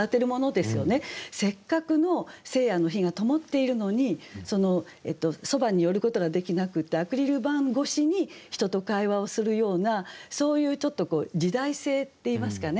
せっかくの聖夜の灯がともっているのにそばに寄ることができなくてアクリル板越しに人と会話をするようなそういうちょっとこう時代性っていいますかね。